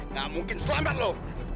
nggak mungkin selamat lu